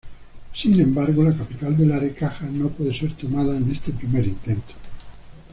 Sin embargo la capital de Larecaja no pudo ser tomada en este primer intento.